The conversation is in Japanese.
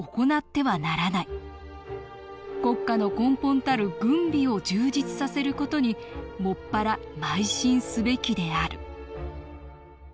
国家の根本たる軍備を充実させる事に専らまい進すべきである」